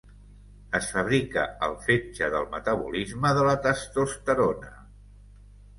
Es fabrica al fetge del metabolisme de la testosterona.